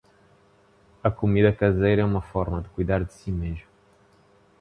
A comida caseira é uma forma de cuidar de si mesmo.